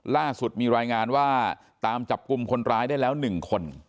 ล่าสุดมีรายงานว่าตามจับกลุ่มคนร้ายได้แล้ว๑คน